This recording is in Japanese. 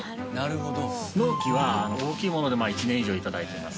納期は大きいもので１年以上頂いています。